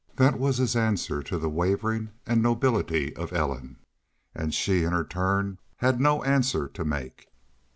That was his answer to the wavering and nobility of Ellen. And she in her turn had no answer to make.